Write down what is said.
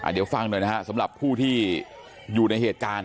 ใจฟังน่ะสำหรับผู้ที่ยออยู่ในเหตุการณ์